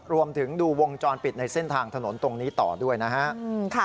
รวมถึงดูวงจรปิดในเส้นทางถนนตรงนี้ต่อด้วยนะฮะ